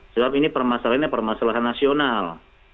sebab ini permasalahannya permasalahan nasional